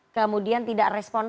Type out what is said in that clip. kemudian tidak responasi